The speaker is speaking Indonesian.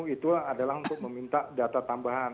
itu adalah untuk meminta data tambahan